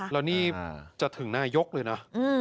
แล้วนี่จะถึงนายกเลยนะ